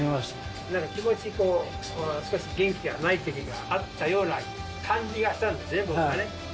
なんか、気持ち、こう、少し元気がないときがあったような感じがしたんですね、僕はね。